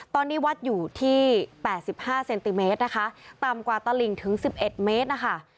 ตอนนี้วัดอยู่ที่๘๕เซนติเมตรนะคะต่ำกว่าตลิงถึง๑๑เมตรนะคะ